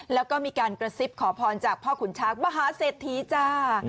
แล้วก็มีการกระซิบขอพรจากพ่อขุนช้างมหาเศรษฐีจ้า